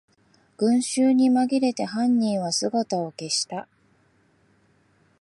群集にまぎれて犯人は姿を消した